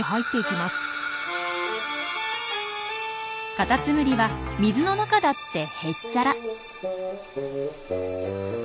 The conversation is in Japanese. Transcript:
カタツムリは水の中だってへっちゃら。